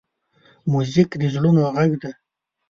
موزیک د زړونو غږ دی.